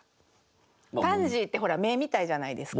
パンジーってほら目みたいじゃないですか。